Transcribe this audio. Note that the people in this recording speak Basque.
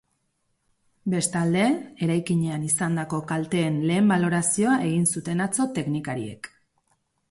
Bestalde, eraikinean izandako kalteen lehen balorazioa egin zuten atzo teknikariek.